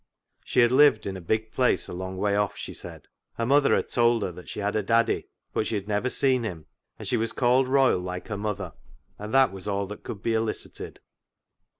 She had lived in a big place a long way off, she said. Her mother had told her that she had a " daddy," but she had never seen him, and she was called Royle like her mother — and that was all that could be elicited.